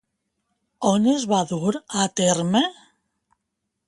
On es va dur a terme?